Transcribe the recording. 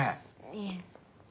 いえ。